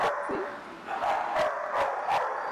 Cambia exteriormente con una imagen más moderna.